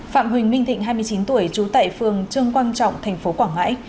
phạm huỳnh minh thịnh hai mươi chín tuổi trú tại phường trương quang trọng tp quảng ngãi